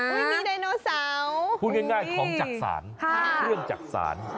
มีไดโนเสาร์พูดง่ายของจักษานเครื่องจักษาน